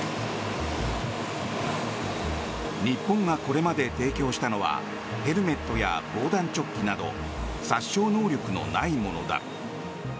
日本がこれまで提供したのはヘルメットや防弾チョッキなど殺傷能力のないものだ。